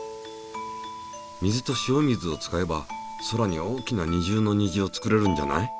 水と塩水を使えば空に大きな二重の虹を作れるんじゃない？